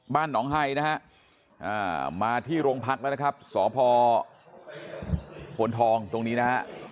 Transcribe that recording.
บ้านหนองไฮนะฮะมาที่โรงพักแล้วนะครับสพพลทองตรงนี้นะฮะ